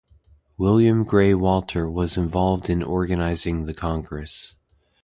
William Grey Walter was involved in organising the congress.